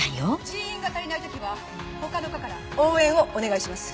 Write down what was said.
人員が足りない時は他の課から応援をお願いします。